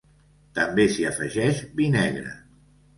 També s'hi afegeix vi negre.